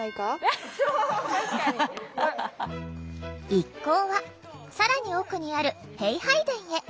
一行は更に奥にある幣拝殿へ。